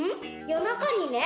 夜中にね